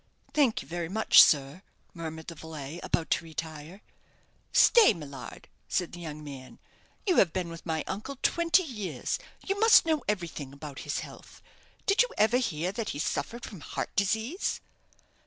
"Thank you very much, sir," murmured the valet, about to retire. "Stay, Millard," said the young man. "You have been with my uncle twenty years. You must know everything about his health. Did you ever hear that he suffered from heart disease?"